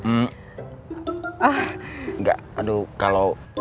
enggak aduh kalau